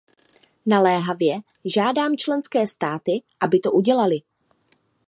Naléhavě žádám členské státy, aby to udělaly.